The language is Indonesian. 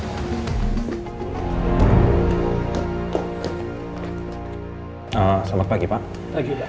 selamat pagi pak